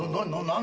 何？